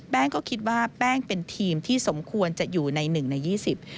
แป้งก็คิดว่าแป้งเป็นทีมที่สมควรจะอยู่ใน๑ใน๒๐